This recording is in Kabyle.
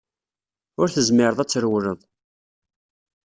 Ur tezmireḍ ad trewleḍ.